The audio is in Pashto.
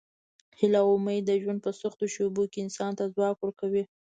هیله او امید د ژوند په سختو شېبو کې انسان ته ځواک ورکوي.